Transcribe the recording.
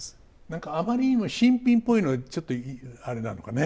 何かあまりにも新品ぽいのはちょっとあれなのかな